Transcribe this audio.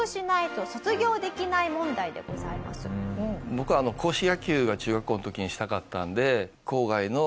僕硬式野球が中学校の時にしたかったので。